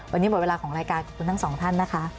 วันนี้หมดเวลาของรายการขอบคุณทั้งสองท่านนะคะ